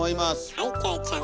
はいキョエちゃん